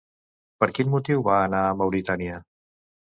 Per quin motiu va anar a Mauritània?